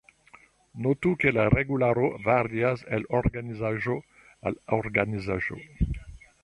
Notu ke la regularo varias el organizaĵo al organizaĵo.